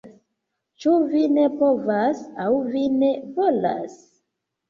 Ĉu vi ne povas, aŭ vi ne volas?